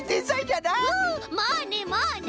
まあねまあね！